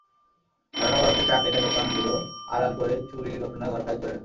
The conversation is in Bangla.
ধারণা করা হচ্ছে, ট্রাক রেখে দোকানগুলো আড়াল করে চুরির ঘটনা ঘটায় চোরেরা।